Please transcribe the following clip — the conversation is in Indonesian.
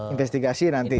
investigasi nanti ya